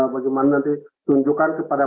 bagaimana nanti tunjukkan kepada